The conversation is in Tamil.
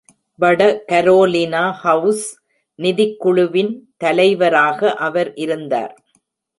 வட கரோலினா ஹவுஸ் நிதிக் குழுவின் தலைவராக அவர் இருந்தார்.